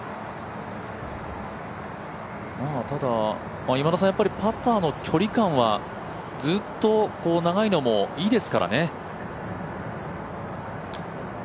ただ、パターの距離感はずっと長いのもいいですからね。